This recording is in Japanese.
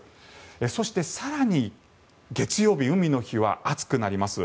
そして更に月曜日、海の日は暑くなります。